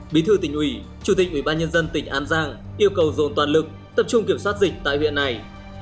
bí thư tỉnh ủy chủ tịch ủy ban nhân dân tỉnh an giang yêu cầu dồn toàn lực tập trung kiểm soát dịch tại huyện này